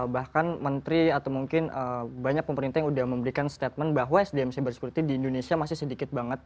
bahkan menteri atau mungkin banyak pemerintah yang sudah memberikan statement bahwa sdm cyber security di indonesia masih sedikit banget